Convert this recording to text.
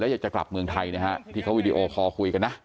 แล้วอยากจะกลับเมืองไทยที่เขาวิดีโอคอคุยกันนะ